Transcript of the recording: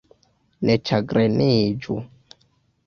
Ne ĉagreniĝu.